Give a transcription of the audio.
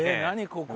ここ。